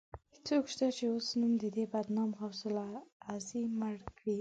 څوک شته، چې اوس نوم د دې بدنام غوث العظم مړ کړي